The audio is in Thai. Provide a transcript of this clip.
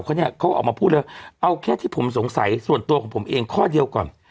เขาเนี่ยเขาออกมาพูดเลยเอาแค่ที่ผมสงสัยส่วนตัวของผมเองข้อเดียวก่อน